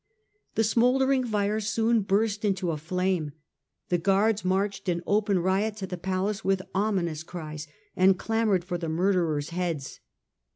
The smouldering fire soon burst into a flame. The guards marched in open riot to the palace with ominous cries, and clamoured for the murderers' heads.